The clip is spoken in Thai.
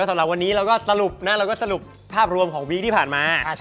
สำหรับวันนี้เราก็สรุปภาพรวมของเดือนการผ่านมา